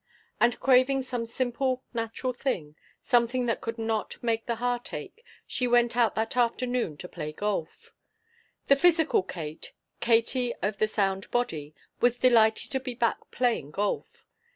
And craving some simple, natural thing, something that could not make the heart ache, she went out that afternoon to play golf. The physical Kate, Katie of the sound body, was delighted to be back playing golf.